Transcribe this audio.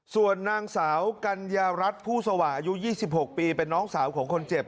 ส่วนนางสาวกัญญารัฐผู้สว่างอายุ๒๖ปีเป็นน้องสาวของคนเจ็บ